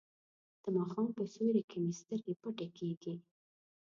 د ماښام په سیوري کې مې سترګې پټې کیږي.